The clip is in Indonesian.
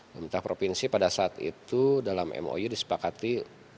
pemerintah provinsi pada saat itu dalam mou disepakati